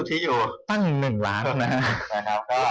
ตั้ง๑ล้านนะครับ